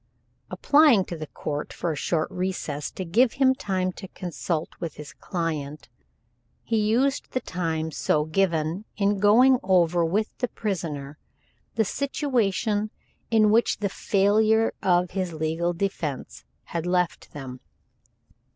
Applying to the court for a short recess to give him time to consult with his client, he used the time so given in going over with the prisoner the situation in which the failure of his legal defense had left them.